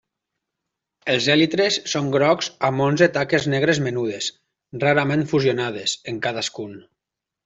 Els èlitres són grocs amb onze taques negres menudes, rarament fusionades, en cadascun.